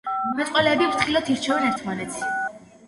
მეწყვილეები ფრთხილად ირჩევენ ერთმანეთს.